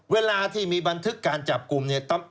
เวลาที่มีบันทึกการจับกลุ่มเนี่ย